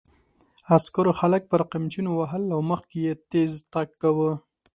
عسکرو خلک پر قمچینو وهل او مخکې یې تېز تګ کاوه.